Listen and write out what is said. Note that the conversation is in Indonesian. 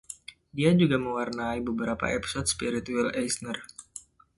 Dia juga mewarnai beberapa episode “Spirit” Will Eisner.